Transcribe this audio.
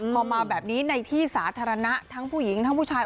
พอมาแบบนี้ในที่สาธารณะทั้งผู้หญิงทั้งผู้ชาย